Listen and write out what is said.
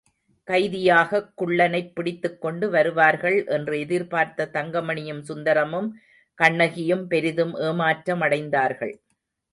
கைதியாகக் குள்ளனைப் பிடித்துக்கொண்டு வருவார்கள் என்று எதிர்பார்த்த தங்கமணியும் சுந்தரமும் கண்ணகியும் பெரிதும் ஏமாற்றமடைந்தார்கள்.